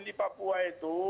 di papua itu